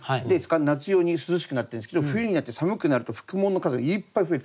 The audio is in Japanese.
夏用に涼しくなってるんですけど冬になって寒くなると副毛の数がいっぱい増える。